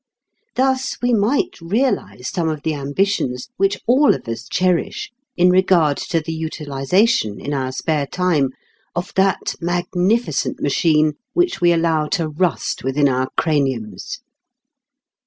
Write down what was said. Thus we might realize some of the ambitions which all of us cherish in regard to the utilization in our spare time of that magnificent machine which we allow to rust within our craniums.